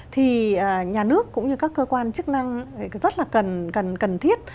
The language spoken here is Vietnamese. thì nhà nước cũng như các cơ quan chức năng rất là cần thiết